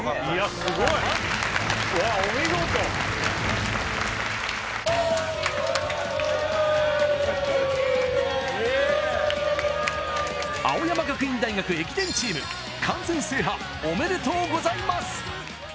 すごいうわお見事青山学院大学駅伝チーム完全制覇おめでとうございます